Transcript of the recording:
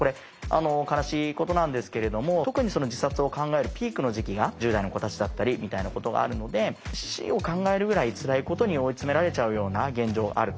悲しいことなんですけれども特に自殺を考えるピークの時期が１０代の子たちだったりみたいなことがあるので死を考えるぐらいつらいことに追い詰められちゃうような現状があると。